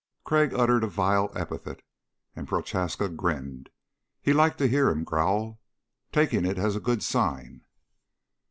Crag uttered a vile epithet and Prochaska grinned. He liked to hear him growl, taking it as a good sign.